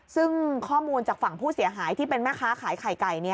ซึ่งข้อมูลจากฝั่งผู้เสียหายที่เป็นแม่ค้าขายไข่ไก่